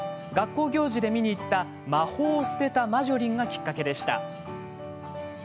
学校行事で見に行った「魔法をすてたマジョリン」がきっかけでした。